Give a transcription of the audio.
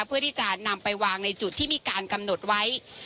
เพื่อที่จะนำไปวางในจุดที่มีการกำหนดไว้